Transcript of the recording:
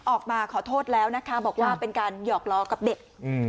ออกมาขอโทษแล้วนะคะบอกว่าเป็นการหยอกล้อกับเด็ก